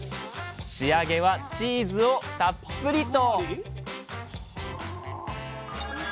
仕上げはチーズをたっぷりと。